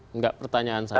enggak pertanyaan saya pak